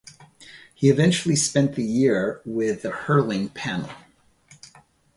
He eventually spent the year with the hurling panel.